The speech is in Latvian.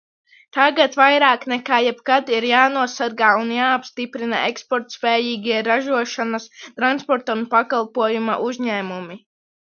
Tagad vairāk nekā jebkad ir jānosargā un jāstiprina eksportspējīgie ražošanas, transporta un pakalpojumu uzņēmumi.